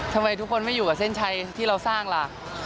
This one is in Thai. ทำไมทุกคนไม่อยู่กับเส้นชัยที่เราสร้างล่ะ